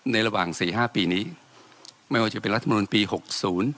ระหว่างสี่ห้าปีนี้ไม่ว่าจะเป็นรัฐมนุนปีหกศูนย์